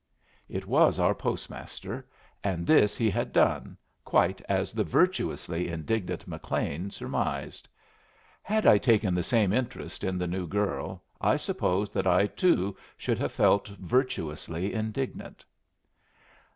It was our postmaster, and this he had done, quite as the virtuously indignant McLean surmised. Had I taken the same interest in the new girl, I suppose that I too should have felt virtuously indignant.